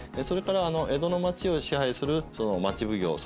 それから江戸の町を支配する町奉行